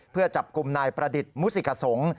เพื่อจับกลุ่มนายประดิษฐ์มุสิกสงศ์